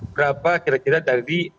berapa kira kira dari